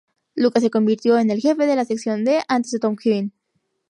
Lucas se convirtió en Jefe de la Sección D, antes que Tom Quinn.